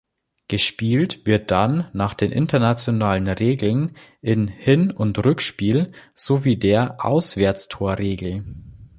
Gespielt wird dann nach den Internationalen Regeln in Hin- und Rückspiel sowie der Auswärtstorregel.